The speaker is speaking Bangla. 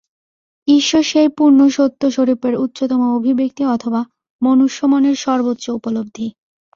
ঈশ্বর সেই পূর্ণ সত্যস্বরূপের উচ্চতম অভিব্যক্তি অথবা মনুষ্যমনের সর্বোচ্চ উপলব্ধি।